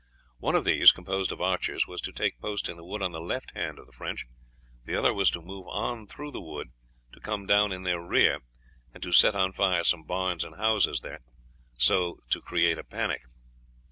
One of these, composed of archers, was to take post in the wood on the left hand of the French, the other was to move on through the wood, to come down in their rear, and to set on fire some barns and houses there, and so create a panic.